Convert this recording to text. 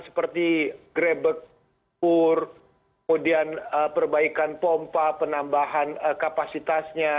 seperti grebek kur kemudian perbaikan pompa penambahan kapasitasnya